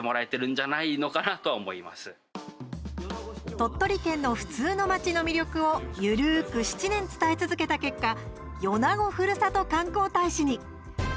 鳥取県の普通の街の魅力を緩く７年伝え続けた結果米子ふるさと観光大使に！